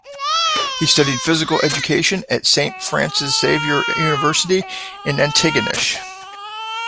He studied physical education at Saint Francis Xavier University in Antigonish.